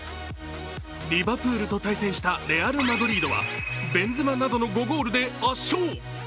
リヴァプールと対戦したレアル・マドリードはベンゼマなどの５ゴールで圧勝。